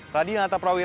radhi lata prawira